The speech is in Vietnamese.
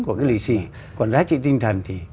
của cái lì xì còn giá trị tinh thần thì